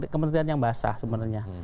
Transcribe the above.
kementerian yang basah sebenarnya